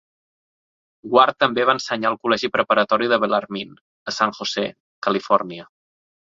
Ward també va ensenyar al col·legi preparatori de Bellarmine, a San José, Califòrnia.